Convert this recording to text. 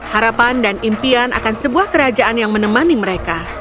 harapan dan impian akan sebuah kerajaan yang menemani mereka